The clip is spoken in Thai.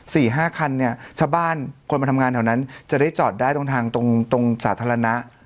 สี่ห้าคันเนี่ยชาวบ้านคนมาทำงานแถวนั้นจะได้จอดได้ตรงทางตรงตรงสาธารณะ